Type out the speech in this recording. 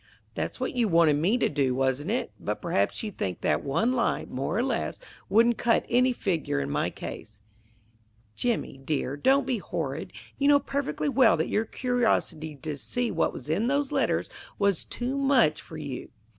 "That's what you wanted me to do, wasn't it? But perhaps you think that one lie, more or less, wouldn't cut any figure in my case." "Jimmy, dear, don't be horrid. You know perfectly well that your curiosity to see what is in those letters was too much for you."